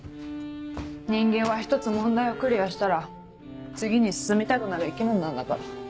人間は１つ問題をクリアしたら次に進みたくなる生き物なんだから。